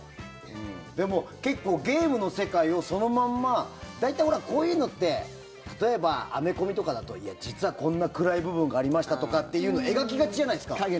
でも、結構ゲームの世界をそのまま大体こういうのって例えばアメコミとかだと実はこんな暗い部分がありましたとかっていうの描きがちじゃないですか。